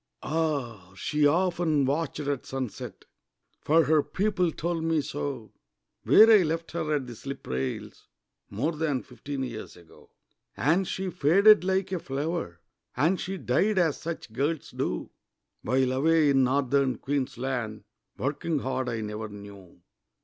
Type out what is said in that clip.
Ah! she often watched at sunset For her people told me so Where I left her at the slip rails More than fifteen years ago. And she faded like a flower, And she died, as such girls do, While, away in Northern Queensland, Working hard, I never knew.